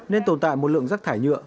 nên tồn tại một lượng rác thải nhựa